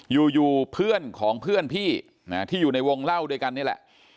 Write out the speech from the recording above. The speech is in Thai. อยู่เพื่อนของเพื่อนพี่ที่อยู่ในวงเล่าด้วยกันนี่แหละ